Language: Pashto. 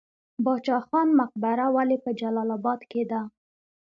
باچا خان مقبره ولې په جلال اباد کې ده؟